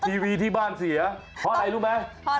ทีวีที่บ้านเสียเพราะอะไรรู้ไหม